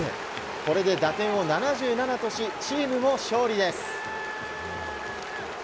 これで打点を７７とし、チームも勝利です。